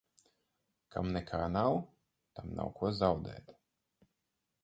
Kam nekā nav, tam nav ko zaudēt.